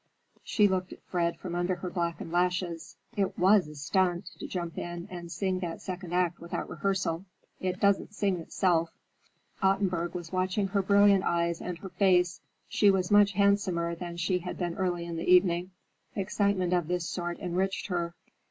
She looked at Fred from under her blackened lashes. "It was a stunt, to jump in and sing that second act without rehearsal. It doesn't sing itself." Ottenburg was watching her brilliant eyes and her face. She was much handsomer than she had been early in the evening. Excitement of this sort enriched her.